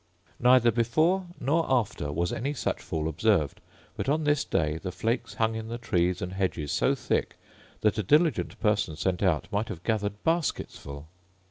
Neither before nor after was any such fall observed; but on this day the flakes hung in the trees and hedges so thick, that a diligent person sent out might have gathered baskets full.